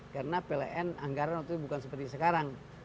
karena pln anggaran waktu itu bukan seperti sekarang